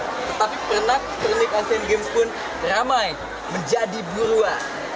tetapi pernah pernahanik asean games pun ramai menjadi burua